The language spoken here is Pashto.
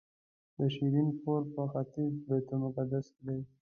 د شیرین کور په ختیځ بیت المقدس کې دی.